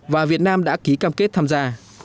và việt nam đã ký cam kết tham gia